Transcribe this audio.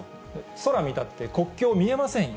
空見たって国境見えませんよ。